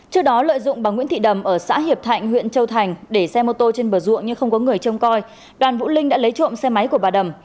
trước đó lợi dụng bà nguyễn thị đầm ở xã hiệp thạnh huyện châu thành để xe mô tô trên bờ ruộng nhưng không có người trông coi đoàn vũ linh đã lấy trộm xe máy của bà đầm